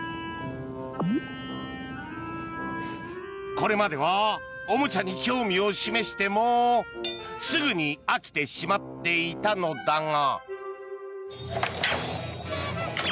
これまではおもちゃに興味を示してもすぐに飽きてしまっていたのだが。